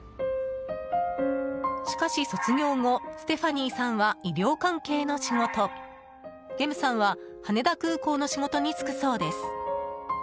しかし、卒業後ステファニーさんは医療関係の仕事ゲムさんは羽田空港の仕事に就くそうです。